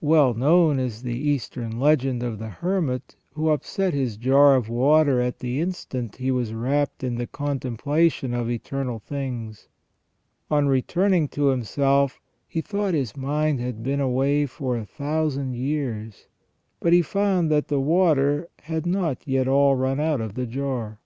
Well known is the Eastern legend of the hermit who upset his jar of water at the instant he was rapt in the contemplation of eternal things. On returning to himself he thought his mind had been away for a thousand years, but he found that the water had not yet all run out of the jar.